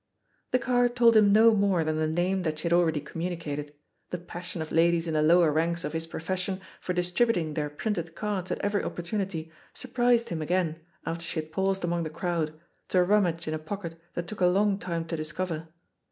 The card told him no more than the name that she had already communicated; the passion of ladies in the lower ranks of his profession for distributing their printed cards at every oppor tunity surprised him again after she had paused among the crowd, to rummage in a pocket that took a long time to discover.